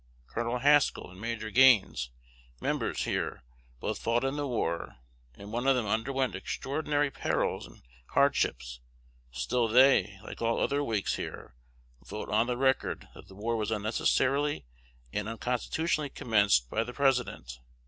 Col. Haskell and Major Gaines, members here, both fought in the war; and one of them underwent extraordinary perils and hardships; still they, like all other Whigs here, vote on the record that the war was unnecessarily and unconstitutionally commenced by the President.